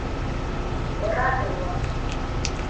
Ораде улам.